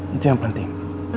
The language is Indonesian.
itu yang penting